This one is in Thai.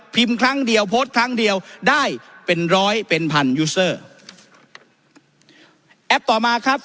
ครั้งเดียวโพสต์ครั้งเดียวได้เป็นร้อยเป็นพันยูเซอร์แอปต่อมาครับ